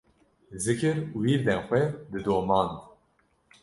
zikir û wîrdên xwe didomand